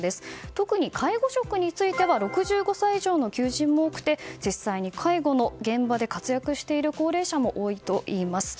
特に介護職については６５歳以上の求人も多く実際に介護の現場で活躍している高齢者も多いといいます。